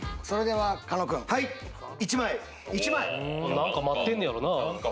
なんか待ってんねやろうな。